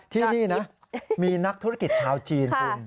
ที่นี่นะมีนักธุรกิจชาวจีนคุณ